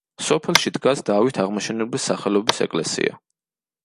სოფელში დგას დავით აღმაშენებლის სახელობის ეკლესია.